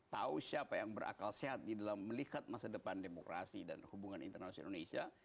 tahu siapa yang berakal sehat di dalam melihat masa depan demokrasi dan hubungan internasional indonesia